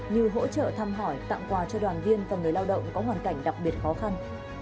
như hỗ trợ thăm hỏi tặng quà cho đoàn viên và người lao động có hoàn cảnh đặc biệt khó khăn